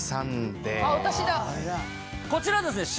こちらです。